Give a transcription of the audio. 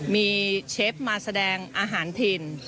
มีเชฟมาแสดงอาหารถิ่น